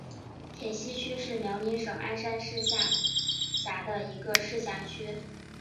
铁西区是辽宁省鞍山市下辖的一个市辖区。